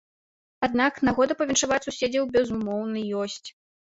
Аднак нагода павіншаваць суседзяў, безумоўна, ёсць.